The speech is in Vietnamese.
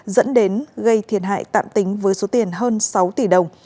dẫn đến gây thiệt hại tạm tính với số tiền hơn sáu tỷ đồng